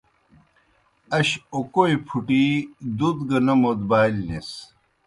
اش اوْکوئی پُٹِھی دُت گہ نہ موْدبالِنِس۔